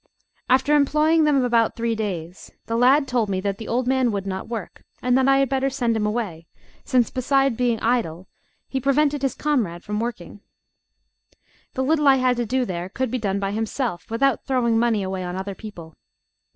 After employing them about three days, the lad told me that the old man would not work, and that I had better send him away, since, beside being idle, he prevented his comrade from working. The little I had to do there could be done by himself, without throwing money away on other people.